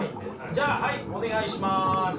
じゃあはいお願いします。